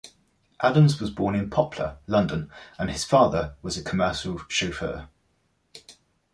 Adams was born in Poplar, London, and his father was a commercial chauffeur.